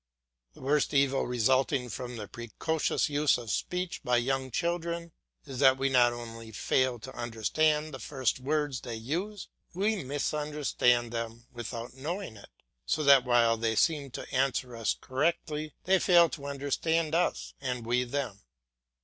The worst evil resulting from the precocious use of speech by young children is that we not only fail to understand the first words they use, we misunderstand them without knowing it; so that while they seem to answer us correctly, they fail to understand us and we them.